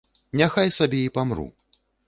Няхай сабе і памру.